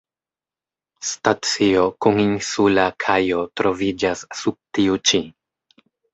Stacio kun insula kajo troviĝas sub tiu ĉi.